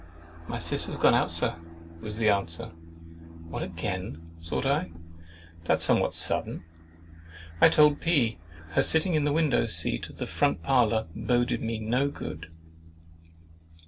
—"My sister's gone out, Sir," was the answer. What again! thought I, That's somewhat sudden. I told P—— her sitting in the window seat of the front parlour boded me no good.